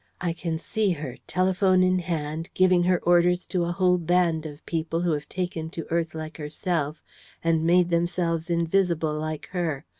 I can see her, telephone in hand, giving her orders to a whole band of people, who have taken to earth like herself and made themselves invisible like her.